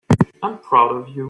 I'm proud of you.